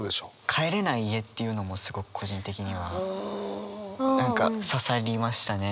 「帰れない家」っていうのもすごく個人的には何か刺さりましたね。